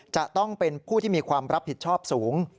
จะต้องเป็นผู้ที่มีความรับผิดชอบสูง